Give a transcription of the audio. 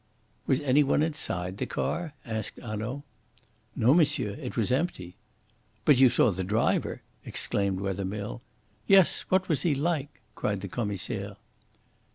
"Was any one inside the car?" asked Hanaud. "No, monsieur; it was empty." "But you saw the driver!" exclaimed Wethermill. "Yes; what was he like?" cried the Commissaire.